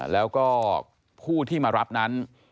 แล้วก็ผู้ที่มารับนั้น